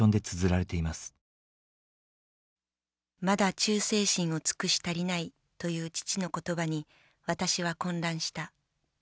「まだ忠誠心を尽くし足りない」という父の言葉に私は混乱した。